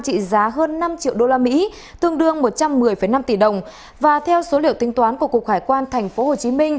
trị giá hơn năm triệu đô la mỹ tương đương một trăm một mươi năm tỷ đồng và theo số liệu tính toán của cục hải quan tp hcm